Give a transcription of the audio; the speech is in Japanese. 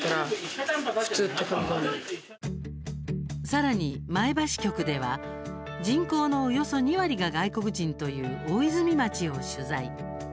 さらに、前橋局では人口のおよそ２割が外国人という大泉町を取材。